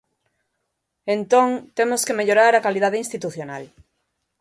Entón, temos que mellorar a calidade institucional.